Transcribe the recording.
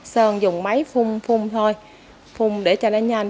sơn dùng máy phun thôi phun để cho nó nhanh